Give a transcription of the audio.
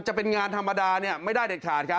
จะเป็นงานธรรมดาไม่ได้เด็ดขาดครับ